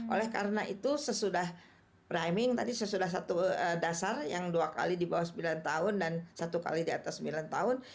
oleh karena itu sesudah priming tadi sesudah satu dasar yang dua kali di bawah sembilan tahun dan satu kali di atas sembilan tahun